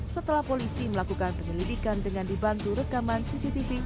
setelah polisi melakukan penyelidikan dengan dibantu rekaman cctv